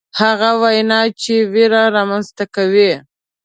هغه وینا چې ویره رامنځته کوي.